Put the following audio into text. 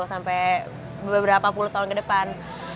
sampai beberapa puluh tahun kedepan